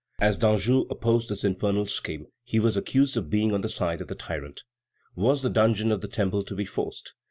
As Danjou opposed this infernal scheme, he was accused of being on the side of the tyrant. Was the dungeon of the Temple to be forced?